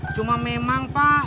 cuma memang pak